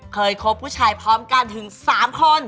คบผู้ชายพร้อมกันถึง๓คน